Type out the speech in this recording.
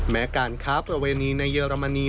แม้การค้าประเวณีในเยอรมนี